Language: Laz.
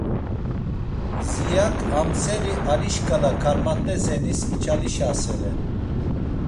Ziyak amseri Ali şǩala Karmat̆ezenis içalişasere.